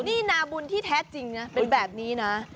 นี่นาบุญที่แท้จริงนะเป็นแบบนี้นะ